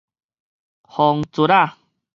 風捽仔